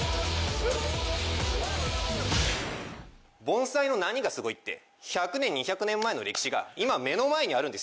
盆栽の何がすごいって１００年２００年前の歴史が今目の前にあるんですよ。